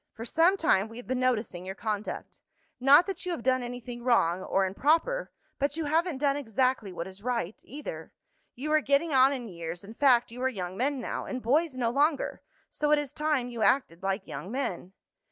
For some time we have been noticing your conduct. Not that you have done anything wrong or improper, but you haven't done exactly what is right, either. You are getting on in years, in fact you are young men now, and boys no longer, so it is time you acted like young men."